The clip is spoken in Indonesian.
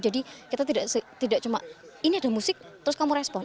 jadi kita tidak cuma ini ada musik terus kamu respon